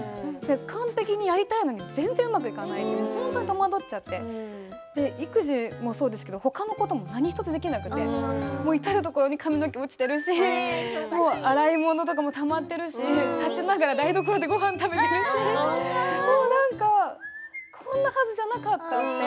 完璧にやりたいのに全然うまくいかないって戸惑っちゃって育児も他のことも何一つできなくて至る所に髪の毛が落ちているし洗い物もたまっているし立ちながら台所でごはんを食べるしこんなはずじゃなかったのにって。